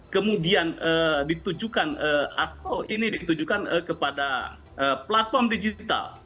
kemudian ditujukan atau ini ditujukan kepada platform digital